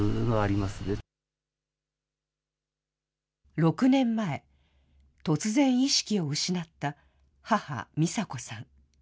６年前、突然、意識を失った母、ミサ子さん。